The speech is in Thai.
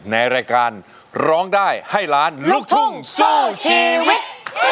ในรายการร้องได้ให้ล้านลูกทุ่งสู้ชีวิต